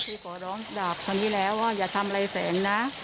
เคยขอร้องดับทำนี้แล้วว่าอย่าทำอะไรแสงน่ะ